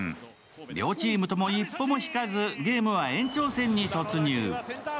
両チームとも一歩も引かずゲームは延長戦に突入。